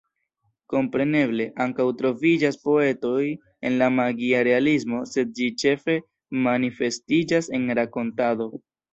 Kompreneble, ankaŭ troviĝas poetoj en la magia realismo, sed ĝi ĉefe manifestiĝas en rakontado.